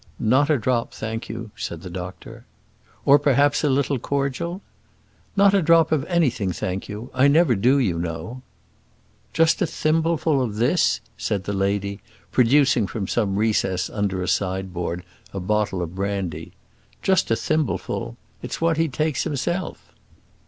"Not a drop, thank you," said the doctor. "Or, perhaps, a little cordial?" "Not a drop of anything, thank you; I never do, you know." "Just a thimbleful of this?" said the lady, producing from some recess under a sideboard a bottle of brandy; "just a thimbleful? It's what he takes himself."